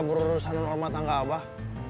bukan gitu abah